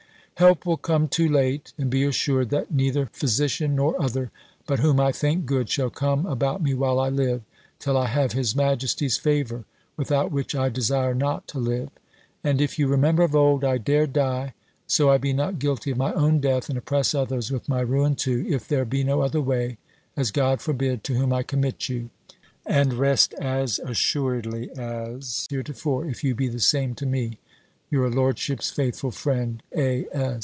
"Help will come too late; and be assured that neither physician nor other, but whom I think good, shall come about me while I live, till I have his majesty's favour, without which I desire not to live. And if you remember of old, I dare die, so I be not guilty of my own death, and oppress others with my ruin too, if there be no other way, as God forbid, to whom I commit you; and rest as assuredly as heretofore, if you be the same to me, "Your lordship's faithful friend, "A.